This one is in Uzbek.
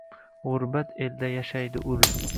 Gʼurbat elda yashadi ul